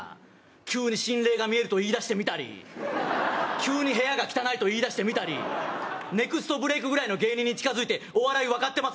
急に心霊が見えると言い出してみたり急に部屋が汚いと言い出してみたりネクストブレークぐらいの芸人に近付いてお笑いわかってます